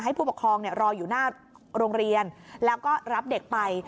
ผู้ปกครองรออยู่หน้าโรงเรียนแล้วก็รับเด็กไป